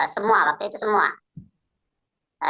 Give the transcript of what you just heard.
semua waktu itu semua